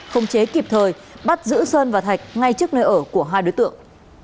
không chế kịp thời bắt giữ sơn và thạch ngay trước nơi ở của hai đối tượng